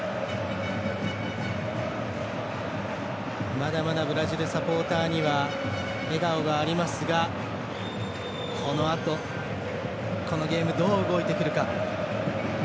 まだまだブラジルサポーターには笑顔がありますがこのあと、このゲームどう動いてくるか。